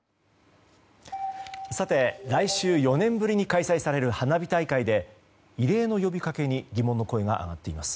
来週４年ぶりに開催される花火大会で異例の呼びかけに疑問の声が上がっています。